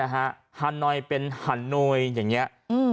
ฮาโนยเป็นฮาโนย